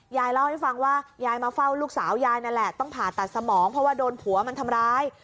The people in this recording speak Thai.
ยายเล่าให้ฟังว่ายายมาเฝ้าลูกสาวยายนั่นแหละต้องผ่าตัดสมองเพราะว่าโดนผัวมันทำร้าย